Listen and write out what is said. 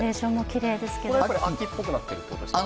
秋っぽくなってるってことですかね。